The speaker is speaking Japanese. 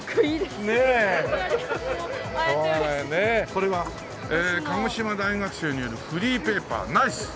これは「鹿児島大学生によるフリーペーパーｎｉｃｅ！」。